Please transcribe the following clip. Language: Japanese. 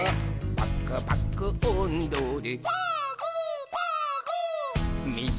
「パクパクおんどで」